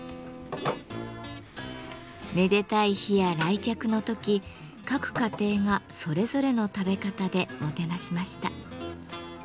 めでたい日や来客の時各家庭がそれぞれの食べ方でもてなしました。